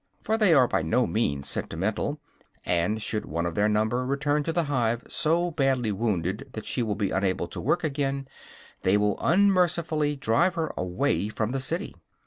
For they are by no means sentimental; and should one of their number return to the hive so badly wounded that she will be unable to work again, they will unmercifully drive her away from the city.